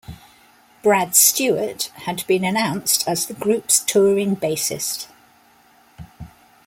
Brad Stewart had been announced as the group's touring bassist.